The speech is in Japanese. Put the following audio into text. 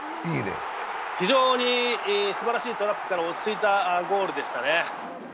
非常にすばらしいトラップから落ち着いたゴールでしたね。